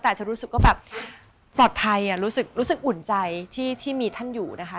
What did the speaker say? แต่อาจจะรู้สึกว่าแบบปลอดภัยรู้สึกอุ่นใจที่มีท่านอยู่นะคะ